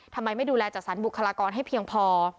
ทำไมไม่ดูแลจัดสรรบุคลากรให้เพียงพอ